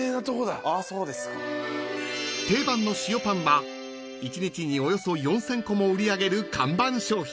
［定番の塩パンは１日におよそ４，０００個も売り上げる看板商品］